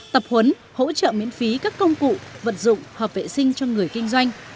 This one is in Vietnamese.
tập huấn hỗ trợ miễn phí các công cụ vật dụng hợp vệ sinh cho người kinh doanh